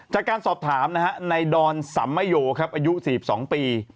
จากการสอบถามนะฮะในดอนสัมมโยครับอายุ๔๒ปี